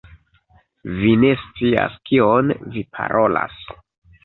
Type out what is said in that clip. Vi ne scias kion vi parolas.